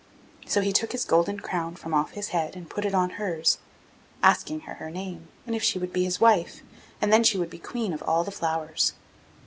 So he took his golden crown from off his head and put it on hers, asking her her name, and if she would be his wife, and then she would be Queen of all the flowers.